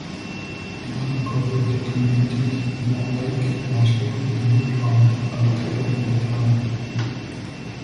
The unincorporated communities of Mole Lake, Nashville, and Woodlawn are located in the town.